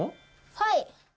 はい！